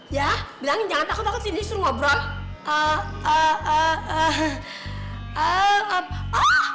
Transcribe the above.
ya bilangin jangan takut takut disini suruh ngobrol